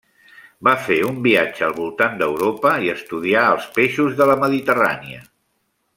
Va fer un viatge al voltant d'Europa i estudià els peixos de la Mediterrània.